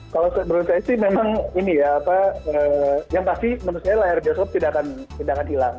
kalau menurut saya sih memang ini ya apa yang pasti menurut saya layar bioskop tidak akan hilang